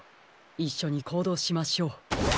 いっしょにこうどうしましょう。